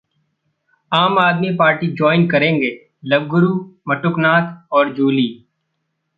आम Aadmi party join करेंगे love guru Matuknath और जूली